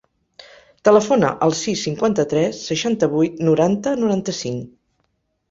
Telefona al sis, cinquanta-tres, seixanta-vuit, noranta, noranta-cinc.